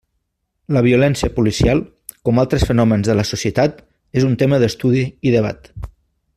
La violència policial, com altres fenòmens de la societat, és un tema d'estudi i debat.